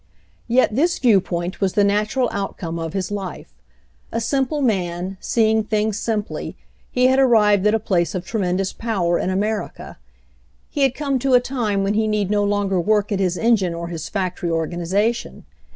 Yet this viewpoint was the natural outcome of his life. A simple man, seeing things simply, he EDUCATIONAL INSTITUTION 169 had arrived at a place of tremendous power in America. He had come to a time when he need no longer work at his engine or his factory or ganization.